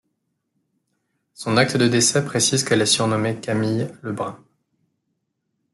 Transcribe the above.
Son acte de décès précise qu'elle est surnommée Camille Lebrun.